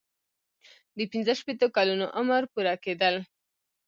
د پنځه شپیتو کلونو عمر پوره کیدل.